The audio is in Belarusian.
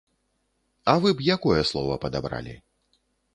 А вы б якое слова падабралі?